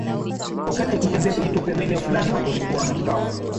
Wakati akitembea kwenye tope maeneo Fulani watu walikuwa na kikao